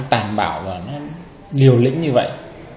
tàn bạo điều lĩnh như vậy